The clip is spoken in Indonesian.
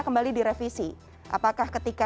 kembali direvisi apakah ketika